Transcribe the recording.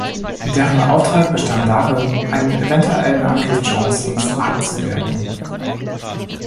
Deren Auftrag bestand darin, einen eventuellen Angriff Johnstons abzuwehren.